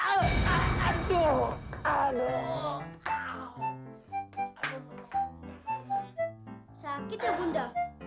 sakit ya bunda